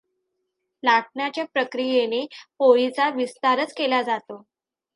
लाटण्याच्या प्रक्रियेने पोळीचा विस्तारच केला जातो.